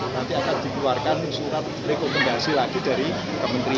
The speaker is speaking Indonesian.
nanti akan dikeluarkan surat rekomendasi lagi dari kementerian